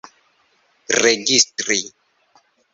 registri